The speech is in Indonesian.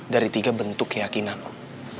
dari tiga bentuk keyakinan loh